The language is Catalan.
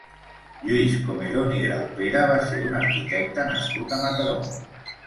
Lluís Comerón i Graupera va ser un arquitecte nascut a Mataró.